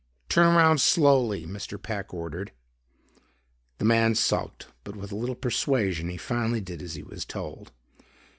"Turn around slowly," Mr. Peck ordered. The man sulked, but with a little persuasion, he finally did as he was told.